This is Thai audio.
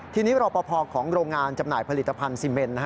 ที่นี่เราประพอบของโรงงานจำหน่ายผลิตภัณฑ์ซิเมนต์